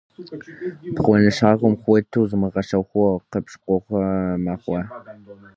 БгъуэнщӀагъым хуиту, зумыгъэщхъыу къыщыпкӀухь мэхъу.